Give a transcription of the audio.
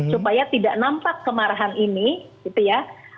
supaya tidak nampak kemarahan ini gitu ya